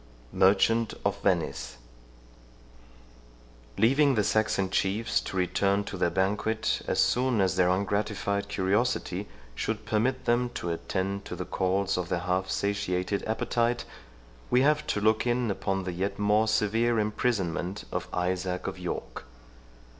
MERCHANT OF VENICE Leaving the Saxon chiefs to return to their banquet as soon as their ungratified curiosity should permit them to attend to the calls of their half satiated appetite, we have to look in upon the yet more severe imprisonment of Isaac of York.